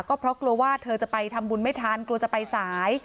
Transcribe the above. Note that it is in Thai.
ก็เพราะกลัวว่าเธอจะไปทำบุญไม่ทันกลัวจะไปสาย